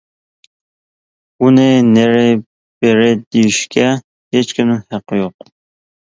ئۇنى نېرى بېرى دېيىشكە ھېچكىمنىڭ ھەققى يوق.